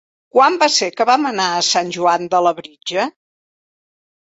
Quan va ser que vam anar a Sant Joan de Labritja?